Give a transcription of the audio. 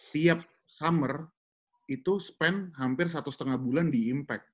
tiap summer itu spend hampir satu setengah bulan di impact